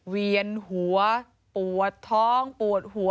เวียนหัวปวดท้องปวดหัว